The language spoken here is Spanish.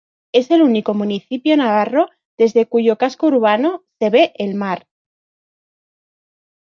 Es el único municipio navarro desde cuyo casco urbano se ve el mar.